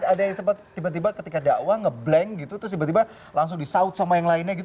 ada yang sempat tiba tiba ketika dakwah ngeblank gitu terus tiba tiba langsung disaud sama yang lainnya gitu